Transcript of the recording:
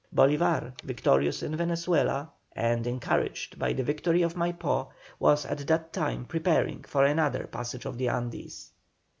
Bolívar, victorious in Venezuela and encouraged by the victory of Maipó, was at this time preparing for another passage of the Andes.